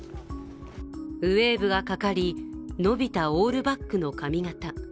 ウエーブがかかり、伸びたオールバックの髪形。